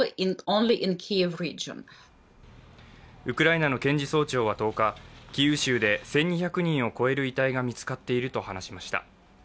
ウクライナの検事総長は１０日キーウ州で１２００人を超える遺体が見つかっていると話しました。